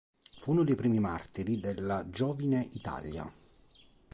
Fu uno dei primi martiri della Giovine Italia.